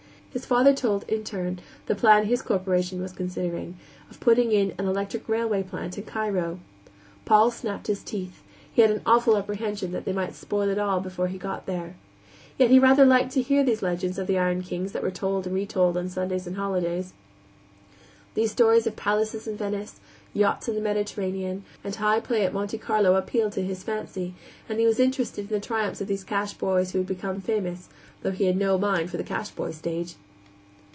His father told, in turn, the plan his corporation was considering, of putting in an electric railway plant in Cairo. Paul snapped his teeth; he had an awful apprehension that they might spoil it all before he got there. Yet he rather liked to hear these legends of the iron kings that were told and retold on Sundays and holidays; these stories of palaces in Venice, yachts on the Mediterranean, and high play at Monte Carlo appealed to his fancy, and he was interested in the triumphs of these cash boys who had become famous, though he had no mind for the cash boy stage.